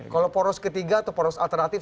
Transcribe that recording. kalau proses ke tiga atau proses alternatif